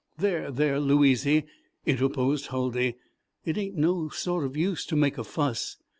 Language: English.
"There, there, Louizy," interposed Huldy, "it ain't no sort of use to make a fuss.